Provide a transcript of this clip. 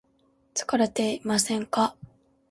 疲れていませんか